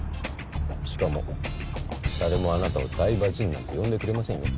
しかも誰もあなたを「台場陣」なんて呼んでくれませんよ。